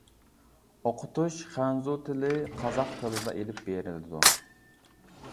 ئوقۇتۇش خەنزۇ تىلى، قازاق تىلىدا ئېلىپ بېرىلىدۇ.